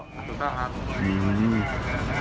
ถูกครับ